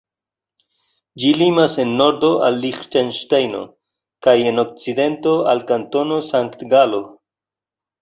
Ĝi limas en nordo al Liĥtenŝtejno kaj en okcidento al Kantono Sankt-Galo.